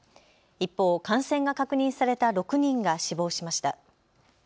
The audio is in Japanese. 一方、感染が確認された６人が死亡しました。